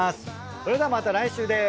それではまた来週です。